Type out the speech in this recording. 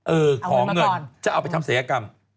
เออของเงินจะเอาไปทำเสียงกรรม